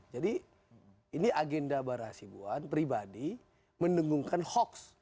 jadi ini agenda barahasibuan pribadi menunggungkan hoax